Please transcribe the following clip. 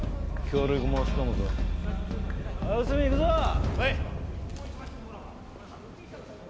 はい！